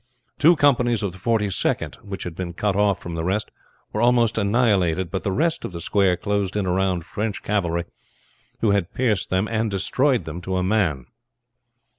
Two companies of the Forty second which had been cut off from the rest were almost annihilated; but the rest of the square closed in around French cavalry who had pierced them and destroyed them to a man.